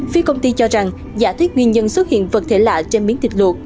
phía công ty cho rằng giả thuyết nguyên nhân xuất hiện vật thể lạ trên miếng thịt luộc